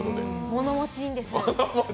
物持ちいいんです。